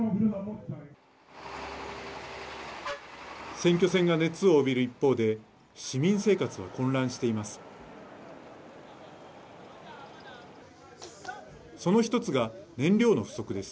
選挙戦が熱を帯びる一方で市民生活は混乱しています。